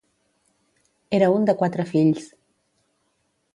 Era un de quatre fills.